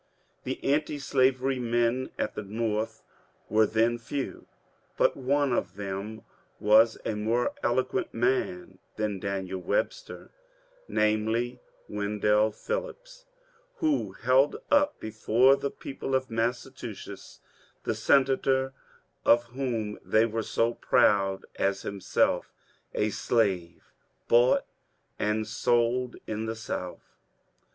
The anti slavery men at the North were then few, but one of them was a more eloquent man than Daniel Webster ; namely, Wen dell Phillips, who held up before the people of Massachusetts the senator of whom they were so proud as himself a slave bought and sold in the South.